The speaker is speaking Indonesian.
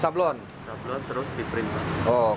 sablon terus di print